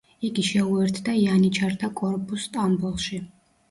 იგი შეუერთდა იანიჩართა კორპუსს სტამბოლში.